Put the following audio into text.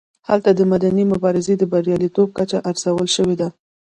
هلته د مدني مبارزې د بریالیتوب کچه ارزول شوې ده.